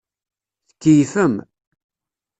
Tkeyyfem.